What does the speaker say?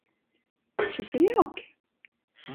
Šis ir jauki.